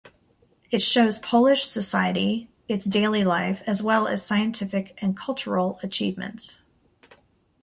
It shows Polish society, its daily life as well as scientific and cultural achievements.